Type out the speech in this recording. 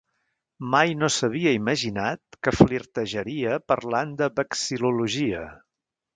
Mai no s'havia imaginat que flirtejaria parlant de vexil·lologia.